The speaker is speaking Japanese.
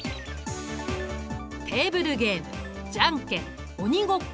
テーブルゲームじゃんけん鬼ごっこ